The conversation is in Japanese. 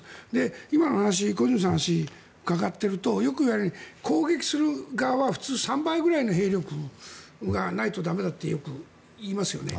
今の話小泉さんの話を伺っているとよくいわれるように攻撃する側は普通、３倍くらいの兵力がないと駄目だとよく言いますよね。